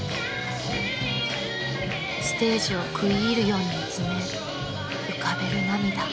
［ステージを食い入るように見つめ浮かべる涙］